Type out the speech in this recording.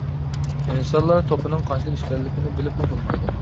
ئىنسانلار توپىنىڭ قانچىلىك ئىكەنلىكىنى بىلىپمۇ بولمايدۇ.